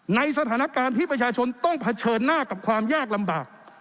ในสถานการณ์ที่ประชาชนต้องเผชิญหน้ากับความยากลำบาก